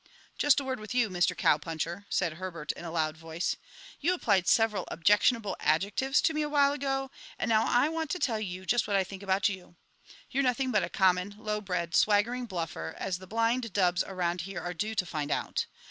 "Just a word with you, Mr. Cowpuncher," said Herbert in a loud voice. "You applied several objectionable adjectives to me a while ago, and now I want to tell you just what I think about you. You're nothing but a common, low bred, swaggering bluffer, as the blind dubs around here are due to find out.